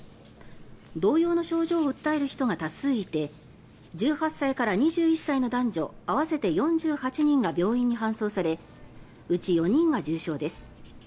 同様の症状を訴える人が多数いて１８歳から２１歳の男女合わせて４８人が病院に搬送されうち４人が重症です。